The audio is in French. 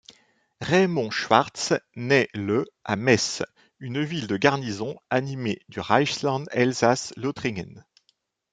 Raymond Schwartz naît le à Metz, une ville de garnison animée du Reichsland Elsaß-Lothringen.